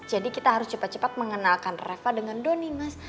jadi kita harus cepat cepat mengenalkan reva dengan donny mas